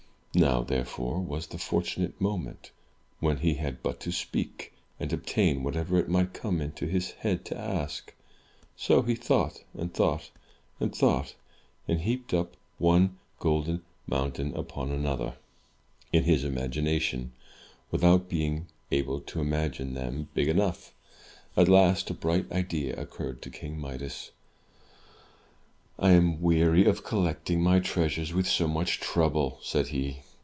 Now, therefore, was the fortu nate moment, when he had but to speak, and obtain whatever it might come into his head to ask. So he thought, and thought, and thought, and heaped up one golden mountain upon another, 276 THROUGH FAIRY HALLS in his imagination, without being able to imagine them big enough. At last, a bright idea occurred to King Midas. I am weary of collecting my treasures with so much trouble,*' said he.